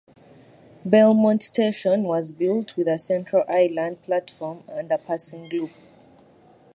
Belmont station was rebuilt with a central island platform and a passing loop.